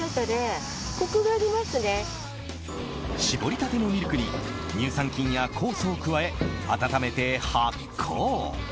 搾りたてのミルクに乳酸菌や酵素を加え、温めて発酵。